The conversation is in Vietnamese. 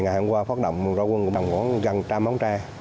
ngày hôm qua phát động rau quân của bờ quán gần trăm bóng tre